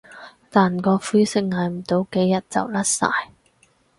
但個灰色捱唔到幾日就甩晒